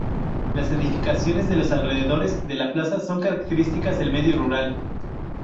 Las edificaciones de los alrededores de la plaza son características del medio rural.